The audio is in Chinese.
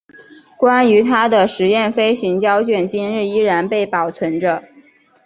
关于他的试验飞行胶卷今日依然被保存着。